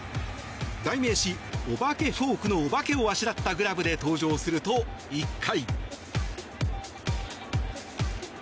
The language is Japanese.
代名詞、お化けフォークのお化けをあしらったグラブで登場すると、１回。